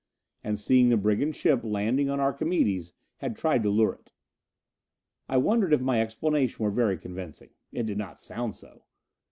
And seeing the brigand ship landing on Archimedes, had tried to lure it. I wondered if my explanation were very convincing. It did not sound so.